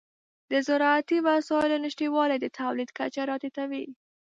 د زراعتي وسایلو نشتوالی د تولید کچه راټیټوي.